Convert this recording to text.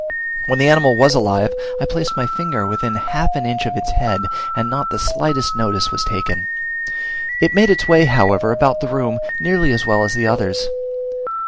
When the animal was alive I placed my finger within half an inch of its head, and not the slightest notice was taken: it made its way, however, about the room nearly as well as the others.